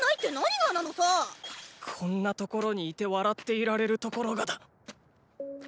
こんな所にいて笑っていられるところがだ。